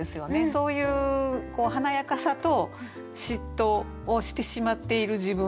そういう華やかさと嫉妬をしてしまっている自分。